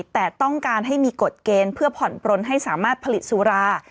แต่ต้องการให้มีกฎเกณฑ์เพื่อผ่อนปลนให้สามารถผลิตสุรา